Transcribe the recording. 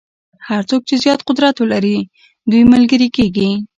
هر څوک چې زیات قدرت ولري دوی ملګري کېږي.